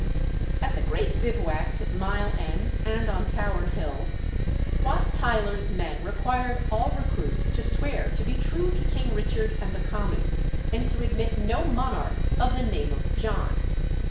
At the great bivouacs at Mile End and on Tower Hill, Wat Tyler's men required all recruits to swear to be true to King Richard and the Commons, and to admit no monarch of the name of John.